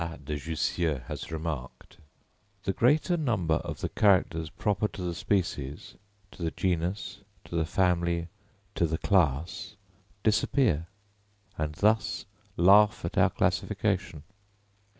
de Jussieu has remarked, "The greater number of the characters proper to the species, to the genus, to the family, to the class, disappear, and thus laugh at our classification."